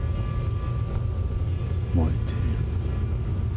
燃えている。